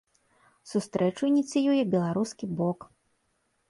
Сустрэчу ініцыюе беларускі бок.